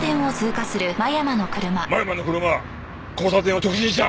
間山の車交差点を直進した！